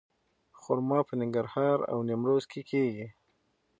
خرما په ننګرهار او نیمروز کې کیږي.